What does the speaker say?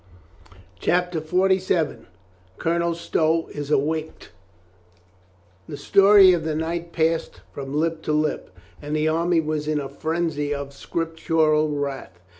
CHAPTER FORTY SEVEN COLONEL STOW IS AWAKED '' I ^HE story of the night passed from lip to lip, * and the army was in a frenzy of scriptural wrath.